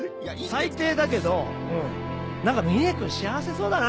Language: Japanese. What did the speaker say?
「最低だけどなんかみね君幸せそうだな」